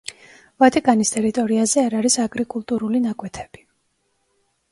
ვატიკანის ტერიტორიაზე არ არის აგრიკულტურული ნაკვეთები.